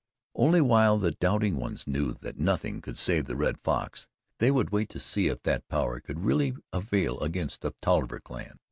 Only while the doubting ones knew that nothing could save the Red Fox they would wait to see if that power could really avail against the Tolliver clan.